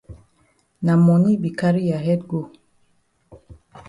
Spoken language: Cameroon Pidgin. Na moni be carry ya head go.